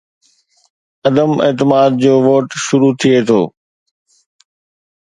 عدم اعتماد جو ووٽ شروع ٿئي ٿو